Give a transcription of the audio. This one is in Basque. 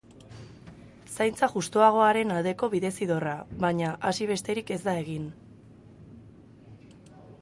Zaintza justuagoaren aldeko bidezidorra, baina, hasi besterik ez da egin.